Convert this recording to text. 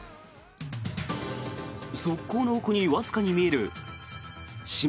側溝の奥にわずかに見えるしま